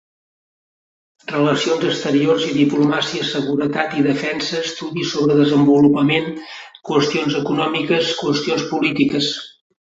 Relacions exteriors i diplomàcia, seguretat i defensa, estudis sobre desenvolupament, qüestions econòmiques, qüestions polítiques.